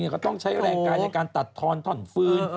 ก็ต้องใช้แรงกายในการตัดทอนถ่อนฟื้น